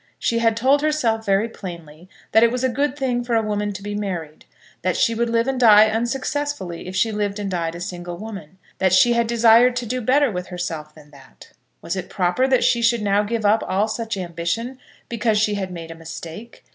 She had told herself very plainly that it was a good thing for a woman to be married; that she would live and die unsuccessfully if she lived and died a single woman; that she had desired to do better with herself than that. Was it proper that she should now give up all such ambition because she had made a mistake?